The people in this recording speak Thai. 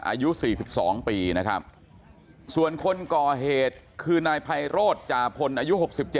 อายุ๔๒ปีนะครับส่วนคนก่อเหตุคือนายไพโรธจาพลอายุ๖๗